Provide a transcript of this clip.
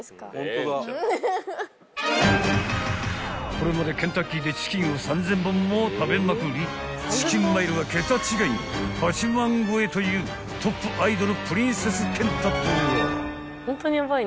［これまでケンタッキーでチキンを３，０００本も食べまくりチキンマイルは桁違いの８万超えというトップアイドル］